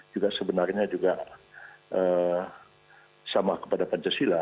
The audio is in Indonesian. juga sebenarnya juga sama kepada pancasila